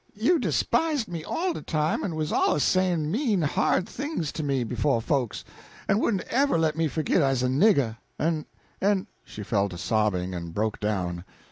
You despised me all de time, en was al'ays sayin' mean hard things to me befo' folks, en wouldn't ever let me forgit I's a nigger en en " She fell to sobbing, and broke down.